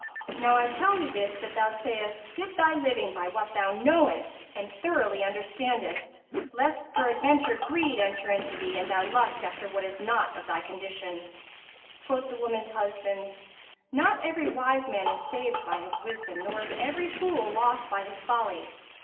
"Now I tell thee this that thou sayst get thy living by what way thou knowest and thoroughly understandest, lest peradventure greed enter into thee and thou lust after what is not of thy condition." Quoth the woman's husband, "Not every wise man is saved by his wisdom, nor is every fool lost by his folly.